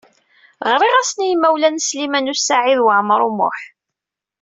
Ɣriɣ-asen i yimawlan n Sliman U Saɛid Waɛmaṛ U Muḥ.